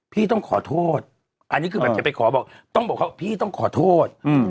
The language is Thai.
พี่ต้องขอโทษอันนี้คือแบบจะไปขอบอกต้องบอกว่าพี่ต้องขอโทษ